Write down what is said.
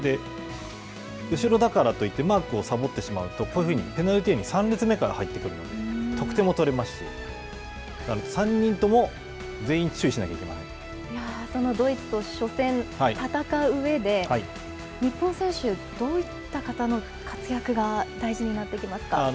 後ろだからといってマークをサボってしまうと、こういうふうにペナルティーエリアに３列目から入ってくるので、得点も取れますし、３人とも３人ともそのドイツと初戦、戦う上で、日本選手はどういった方の活躍が大事になってきますか。